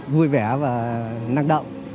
vui vẻ và năng động